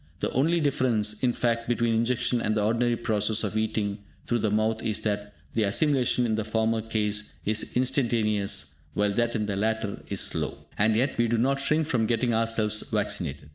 The only difference, in fact, between injection and the ordinary process of eating through the mouth is that the assimilation in the former case is instantaneous, while that in the latter is slow. And yet we do not shrink from getting ourselves vaccinated!